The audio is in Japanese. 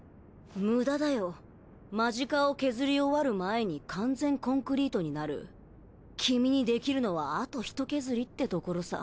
むだだよマジカをケズり終わる前に完全コンクリートになるキミにできるのはあと１ケズリってところさ